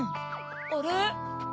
あれ？